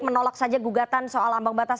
menolak saja gugatan soal ambang batas